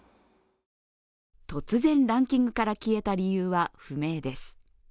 突然ランキングから消えた理由は不明です。